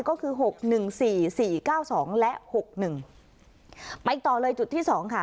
ก็คือหกหนึ่งสี่สี่เก้าสองและหกหนึ่งไปต่อเลยจุดที่สองค่ะ